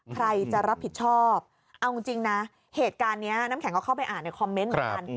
ใครจะรับผิดชอบเอาจริงนะเหตุการณ์นี้น้ำแข็งก็เข้าไปอ่านในคอมเมนต์เหมือนกัน